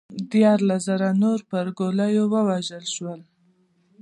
دیارلس زره نور پر ګولیو ووژل شول